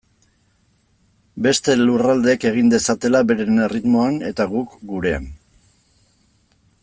Beste lurraldeek egin dezatela beren erritmoan eta guk gurean.